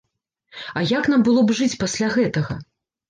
А як нам было б жыць пасля гэтага?!